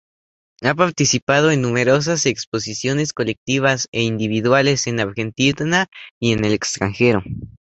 Ha participado en numerosas exposiciones colectivas e individuales en Argentina y el extranjero.